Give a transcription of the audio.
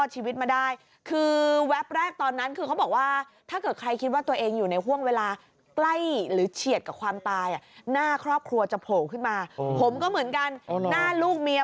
หน้าลูกเมียโผ่ขึ้นมาเลย